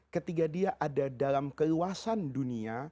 ketika dia ada dalam keluasan dunia